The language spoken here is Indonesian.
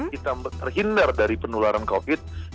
kita terhindar dari penularan covid